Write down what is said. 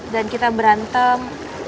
dan kita berantem